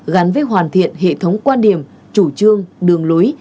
gắn với hoàn thiện hệ thống quan điểm chủ trương đường lối